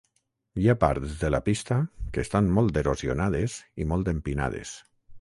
Hi ha parts de la pista que estan molt erosionades i molt empinades.